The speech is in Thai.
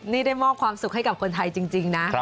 นี่ได้มอบความสุขให้กับคนไทยจริงนะ